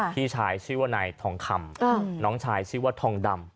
พี่ชายชื่อว่านายทองคำน้องชายชื่อว่าทองดำ